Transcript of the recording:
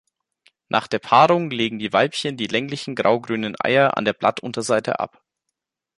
Nach der Paarung legen die Weibchen die länglichen graugrünen Eier an der Blattunterseite ab.